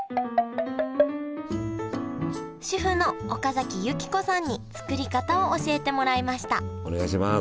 主婦の岡崎由紀子さんに作り方を教えてもらいましたお願いします